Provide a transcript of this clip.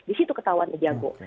di situ ketahuan dia jago